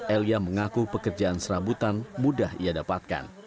elia mengaku pekerjaan serabutan mudah ia dapatkan